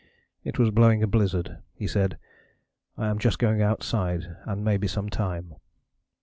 It was blowing a blizzard. He said, 'I am just going outside and may be some time.'